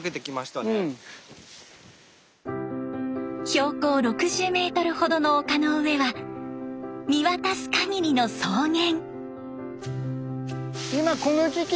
標高６０メートルほどの丘の上は見渡すかぎりの草原。